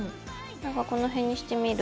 何かこの辺にしてみる。